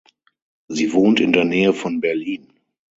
Sie wohnt in der Nähe von Berlin.